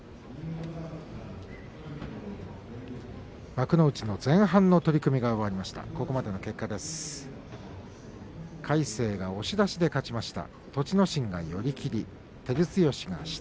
幕内の前半の取組が終わりました。